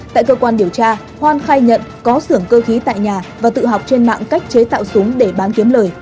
tại cơ quan điều tra hoan khai nhận có xưởng cơ khí tại nhà và tự học trên mạng cách chế tạo súng để bán kiếm lời